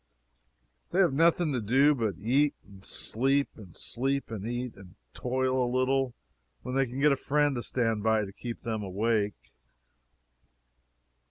They have nothing to do but eat and sleep and sleep and eat, and toil a little when they can get a friend to stand by and keep them awake.